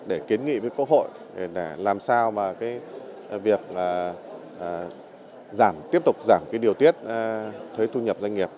để kiến nghị với quốc hội để làm sao mà việc giảm tiếp tục giảm điều tiết thuế thu nhập doanh nghiệp